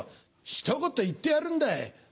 ひと言言ってやるんだい。